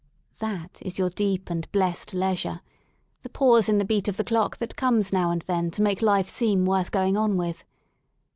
That is your deep and blessed leisure; the pause in the beat of the clock that comes now and then to make life seem worth going on with.